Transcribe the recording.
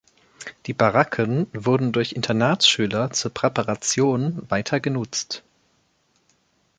Die Baracken wurden durch Internatsschüler zur Präparation weiter genutzt.